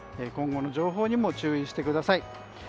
今後の情報にも注意してください。